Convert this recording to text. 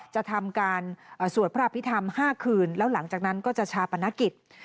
จะทำการสวดพระอภิษฐรรม๕คืนแล้วหลังจากนั้นก็จะชาปนกิจ